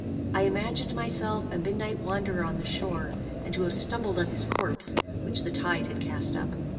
I imagined myself a midnight wanderer on the shore, and to have stumbled on his corpse, which the tide had cast up.